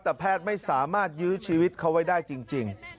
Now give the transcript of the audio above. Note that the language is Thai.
แต่แพทย์ไม่สามารถยื้อชีวิตเขาไว้ได้จริง